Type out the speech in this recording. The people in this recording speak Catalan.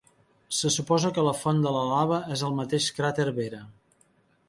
Se suposa que la font de la lava és el mateix cràter Vera.